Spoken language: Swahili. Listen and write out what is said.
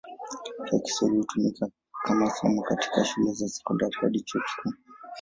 Pia Kiswahili hutumika kama somo katika shule za sekondari hadi chuo kikuu.